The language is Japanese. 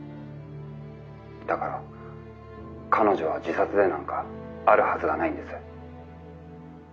だから彼女は自殺でなんかあるはずがないんです」。